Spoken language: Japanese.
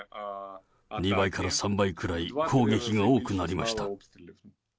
２倍から３倍くらい、攻撃が多くなりました。